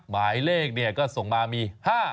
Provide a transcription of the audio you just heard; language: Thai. หมายเลขก็ส่งมามี๕๕๖๓๙๑๔